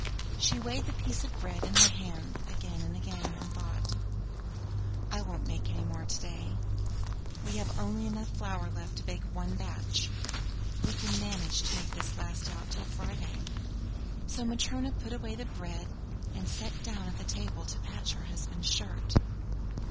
She weighed the piece of bread in her hand again and again, and thought: "I won't make any more today. We have only enough flour left to bake one batch; We can manage to make this last out till Friday." So Matryona put away the bread, and sat down at the table to patch her husband's shirt.